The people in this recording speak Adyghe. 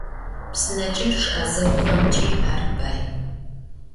Psıneç'eçç 'ezeğuxemç'i ar bay.